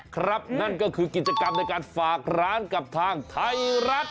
นั่นก็คือกิจกรรมในการฝากร้านกับทางไทยรัฐ